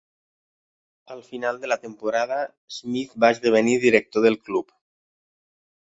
Al final de la temporada, Smith va esdevenir director del club.